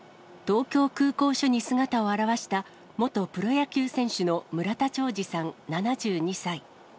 東京空港署に姿を現した、元プロ野球選手の村田兆治さん７２歳。